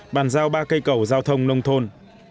bàn giao ba cây cầu giao thông nông thôn